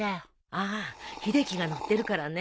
ああ秀樹が載ってるからね。